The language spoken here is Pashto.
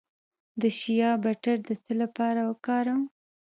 د شیا بټر د څه لپاره وکاروم؟